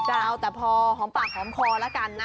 จะเอาแต่พอหอมปากหอมคอแล้วกันนะ